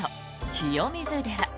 清水寺。